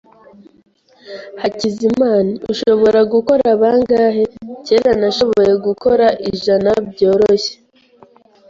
" Hakizimana , ushobora gukora bangahe? "Kera nashoboye gukora ijana byoroshye,